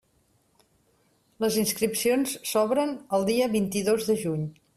Les inscripcions s'obren el dia vint-i-dos de juny.